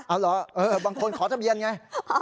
เอาเหรอบางคนขอทะเบียนไง